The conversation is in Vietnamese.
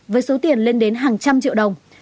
với số tiền lên đến hàng trăm triệu đồng